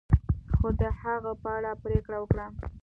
خو د هغه په اړه پریکړه وکړه.